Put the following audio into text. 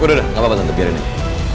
udah udah gak apa apa bantu biarin aja